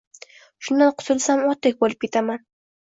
Shundan qutulsam otdek bo‘lib ketaman